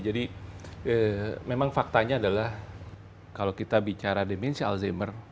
jadi memang faktanya adalah kalau kita bicara dimensi alzheimer